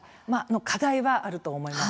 課題はあると思います。